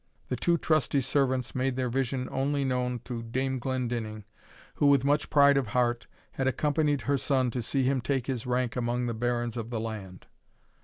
The two trusty servants made their vision only known to Dame Glendinning, who, with much pride of heart, had accompanied her son to see him take his rank among the barons of the land.